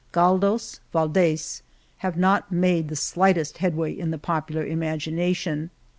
Galdos, Valdes have not made the slightest headway in the popular imagina tion.